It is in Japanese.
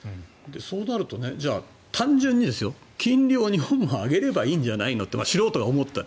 そうなると単純に金利を日本も上げればいいんじゃないのって素人が思った。